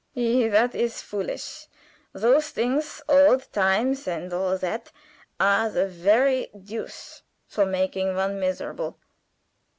"Ei! That is foolish. Those things old times and all that are the very deuce for making one miserable.